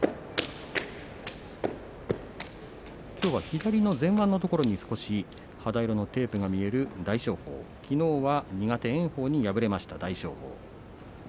きょうは左の前腕のところに、少し肌色のテープが見える大翔鵬きのうは苦手炎鵬に敗れました大翔鵬。